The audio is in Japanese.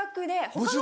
他の